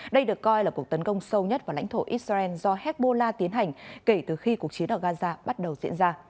đây được coi là cuộc tấn công sâu nhất vào lãnh thổ israel do hezbollah tiến hành kể từ khi cuộc chiến ở gaza bắt đầu diễn ra